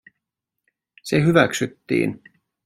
Se hyväksyttiin.